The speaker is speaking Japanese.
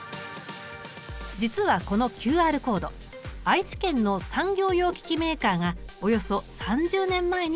実はこのＱＲコード愛知県の産業用機器メーカーがおよそ３０年前に開発したもの。